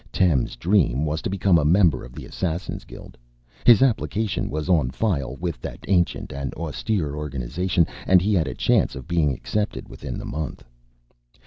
Tem's dream was to become a member of the Assassin's Guild. His application was on file with that ancient and austere organization, and he had a chance of being accepted within the month.